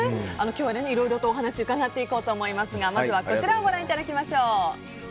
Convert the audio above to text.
今日はいろいろとお話をうかがっていこうと思いますがまずはこちらをご覧いただきましょう。